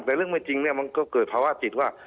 แต่เรื่องไม่จริงเนี่ยมันก็เกิดภาวะจิตว่า